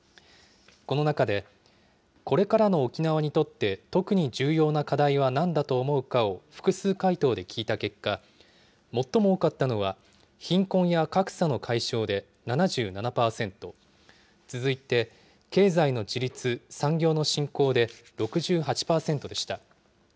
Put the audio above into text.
この中で、これからの沖縄にとって特に重要な課題はなんだと思うかを複数回答で聞いた結果、最も多かったのは、貧困や格差の解消で７７％、続いて、経済の自立・産業の振興で６８％でした。